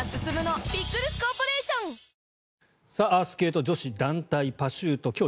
スケート女子団体パシュート